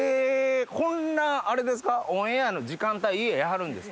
こんなオンエアの時間帯家いはるんですか？